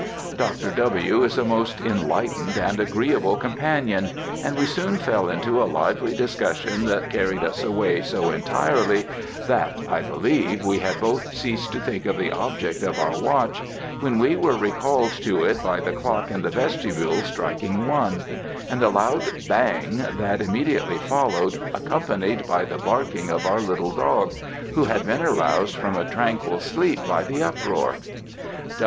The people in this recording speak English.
"Dr. W. is a most enlightened and agreeable companion, and we soon fell into a lively discussion that carried us away so entirely, that, I believe, we had both ceased to think of the object of our watch, when we were recalled to it by the clock in the vestibule striking one; and the loud bang that immediately followed, accompanied by the barking of our little dog, who had been aroused from a tranquil sleep by the uproar.